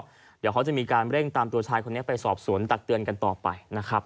จากนั้นก็เดี๋ยวเขาจะมีการเร่งตามตัวชายตัวนี้ไปสอบศวนตักเวลังกะต่อไป